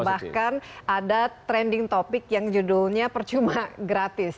bahkan ada trending topic yang judulnya percuma gratis